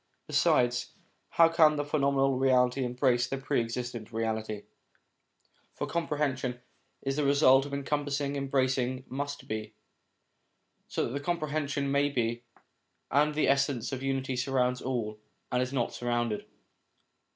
Besides, how can the phenomenal reality embrace the Pre existent Reality ? For com prehension is the result of encompassing embracing must be, so that comprehension may be and the Essence of Unity surrounds all, and is not surrounded.